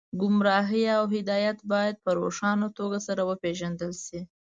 ګمراهي او هدایت باید په روښانه توګه سره وپېژندل شي